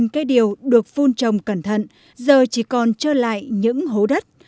một mươi cây điều được phun trồng cẩn thận giờ chỉ còn trơ lại những hố đất